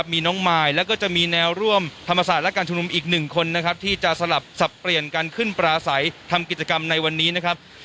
มีน้องมายแล้วก็จะมีแนวร่วมธรรมศาสตร์และการชุมนุมอีกหนึ่งคนนะครับที่จะสลับสับเปลี่ยนกันขึ้นปลาใสทำกิจกรรมในวันนี้นะครับ